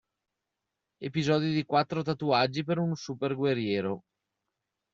Episodi di Quattro tatuaggi per un super guerriero